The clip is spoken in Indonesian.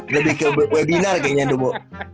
lebih ke webinar kayaknya domo